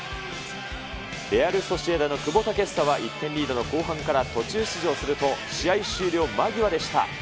レアル・ソシエダの久保建英は１点リードの後半から途中出場すると、試合終了間際でした。